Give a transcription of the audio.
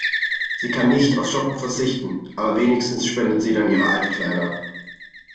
Sie kann nicht aufs Shoppen verzichten, aber wenigstens spendet sie dann ihre Altkleider.